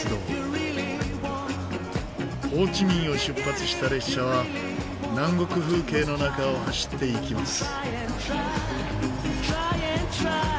ホーチミンを出発した列車は南国風景の中を走っていきます。